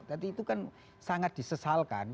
tapi itu kan sangat disesalkan